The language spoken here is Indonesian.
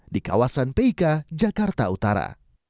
di kawasan p i k jakarta utara